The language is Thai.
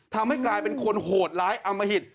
ทำให้กลายเป็นคนโหดร้ายอมหิต